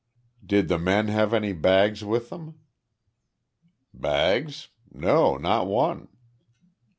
"Did the men have any bags with them?" "Bags? No, not one."